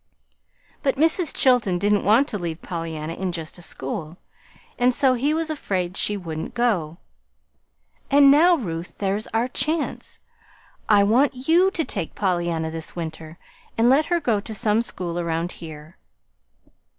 But Mrs. Chilton didn't want to leave Pollyanna in just a school, and so he was afraid she wouldn't go. And now, Ruth, there's our chance. I want YOU to take Pollyanna this winter, and let her go to some school around here."